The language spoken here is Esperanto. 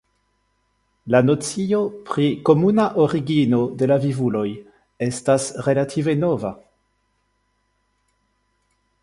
La nocio pri komuna origino de la vivuloj estas relative nova.